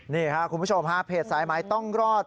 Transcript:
นี่ค่ะคุณผู้ชมฮะเพจสายไม้ต้องรอด